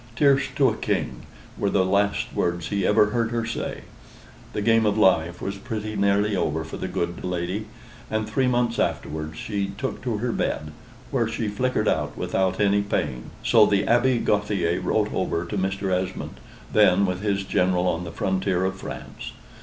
"Tierce to a king," were the last words he ever heard her say: the game of life was pretty nearly over for the good lady, and three months afterwards she took to her bed, where she flickered out without any pain, so the Abbe Gauthier wrote over to Mr. Esmond, then with his General on the frontier of France.